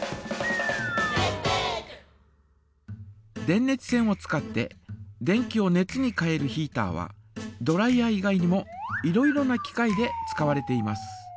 電熱線を使って電気を熱に変えるヒータはドライヤー以外にもいろいろな機械で使われています。